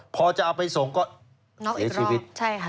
พอจะเอาไปส่งก็เสียชีวิต